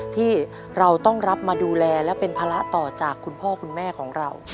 ที่เราต้องรับมาดูแลและเป็นภาระต่อจากคุณพ่อคุณแม่ของเรา